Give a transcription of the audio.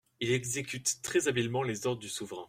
Il exécute très habilement les ordres du souverain.